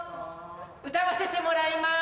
歌わせてもらいます。